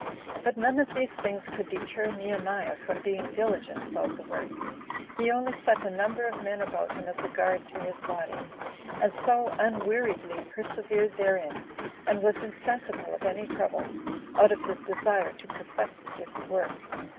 But none of these things could deter Nehemiah from being diligent about the work; he only set a number of men about him as a guard to his body, and so unweariedly persevered therein, and was insensible of any trouble, out of his desire to perfect this work.